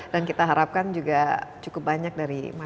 dan kita harapkan juga cukup banyak dari masyarakat